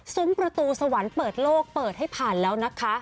ประตูสวรรค์เปิดโลกเปิดให้ผ่านแล้วนะคะ